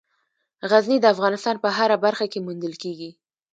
غزني د افغانستان په هره برخه کې موندل کېږي.